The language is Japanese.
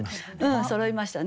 そろいましたね。